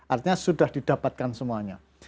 artinya sudah didapatkan semuanya